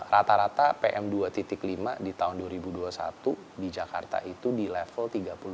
rata rata pm dua lima di tahun dua ribu dua puluh satu di jakarta itu di level tiga puluh dua